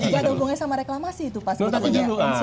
ya itu juga ada hubungannya sama reklamasi itu pak